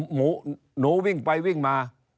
หนูหนูวิ่งไปวิ่งมา